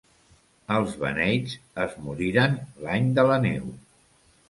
Els beneits es moriren l'any de la neu.